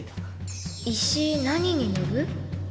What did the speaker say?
石何に乗る？